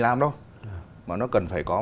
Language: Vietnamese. làm đâu mà nó cần phải có